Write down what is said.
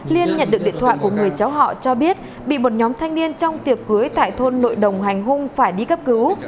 liên nhận được điện thoại của người cháu họ cho biết bị một nhóm thanh niên trong tiệc cưới tại thôn nội đồng hành hung phải đi cấp cứu